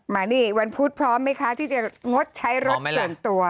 มานี่วันพุธพร้อมไหมคะที่จะงดใช้รถส่วนตัว